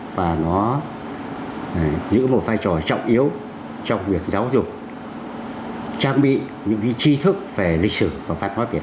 và nó giữ một vai trò trọng yếu trong việc giáo dục trang bị những chi thức về lịch sử và văn hóa việt